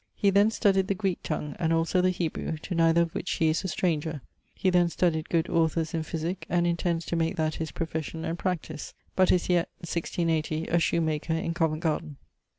He then studyed the Greek tongue, and also the Hebrew, to neither of which he is a stranger. He then studyed good authors in physique, and intends to make that his profession and practyse; but is yet (1680) a shoemaker in Convent Garden.